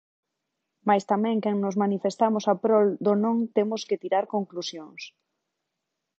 Mais tamén quen nos manifestamos a prol do non temos que tirar conclusións.